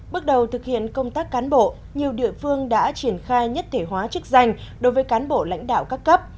bước đầu thực hiện công tác cán bộ nhiều địa phương đã triển khai nhất thể hóa chức danh đối với cán bộ lãnh đạo các cấp